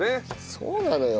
そうなのよ。